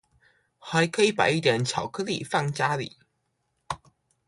還可以擺一點巧克力放家裡